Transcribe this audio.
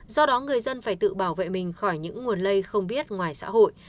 do đó người dân phải tự bảo vệ mình khỏi những nguồn lây không biết ngoài xã hội